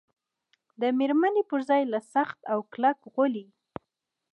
د مېرمنې پر ځای له سخت او کلک غولي.